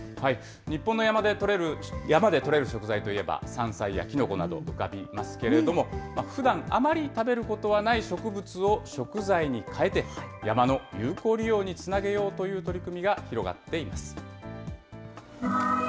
日本の山でとれる食材といえば山菜やきのこなど、浮かびますけれども、ふだんあまり食べることはない植物を食材に変えて、山の有効利用につなげようという取り組みが広がっています。